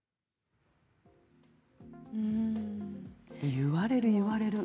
言われる言われる。